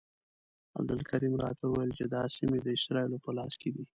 عبدالکریم راته وویل چې دا سیمې د اسرائیلو په لاس کې دي.